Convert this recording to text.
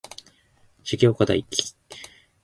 重岡大毅